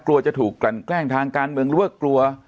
กลัวจะถูกกลั่นแกล้งทางการเมืองหรือว่ากลัว